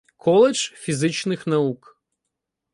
Коледж фізичних наук.